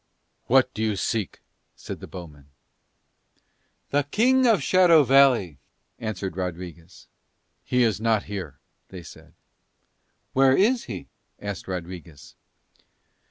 "What do you seek?" said the bowmen. "The King of Shadow Valley," answered Rodriguez. "He is not here," they said. "Where is he?" asked Rodriguez.